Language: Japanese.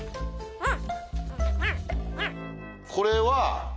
うん。